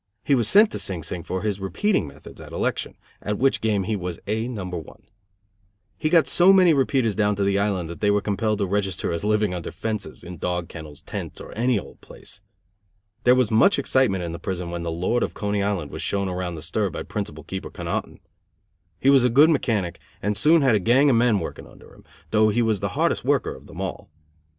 He was sent to Sing Sing for his repeating methods at election, at which game he was A No. 1. He got so many repeaters down to the island that they were compelled to register as living under fences, in dog kennels, tents, or any old place. There was much excitement in the prison when the Lord of Coney Island was shown around the stir by Principal Keeper Connoughton. He was a good mechanic, and soon had a gang of men working under him; though he was the hardest worker of them all.